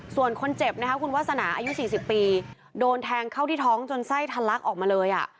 ส่วนคนเจ็บนะคะคุณวาสนาอายุ๔๐ปีโดนแทงเข้าที่ท้องจนไส้ทะลักออกมาเลยอ่ะ